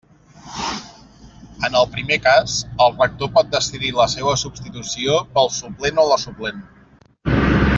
En el primer cas, el rector pot decidir la seua substitució pel suplent o la suplent.